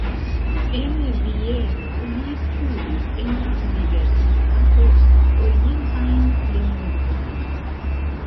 En Vieno li studis en la universitato orientajn lingvojn.